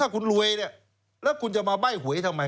ถ้าคุณรวยและคุณจะมาใบ่หวยทำไม